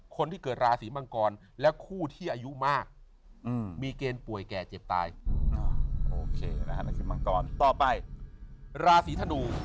คนที่เกิดราศรีมังกรและคู่ที่อายุมากมีเกณฑ์ป่วยแกเจ็บตายมันก่อนต่อไปราศรี